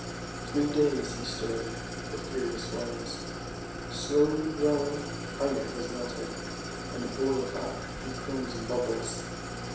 Three days he stirred the furious flames. Slowly glowing Iron was melted, and boiled up in crimson bubbles.